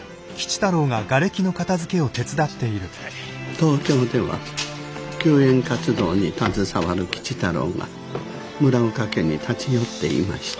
東京では救援活動に携わる吉太郎が村岡家に立ち寄っていました。